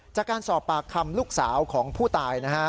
จากการสอบปากคำลูกสาวของผู้ตายนะฮะ